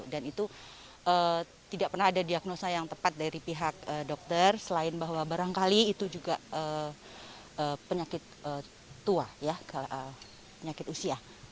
dan itu tidak pernah ada diagnosa yang tepat dari pihak dokter selain bahwa barangkali itu juga penyakit tua penyakit usia